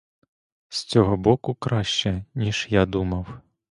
З цього боку краще, ніж я думав.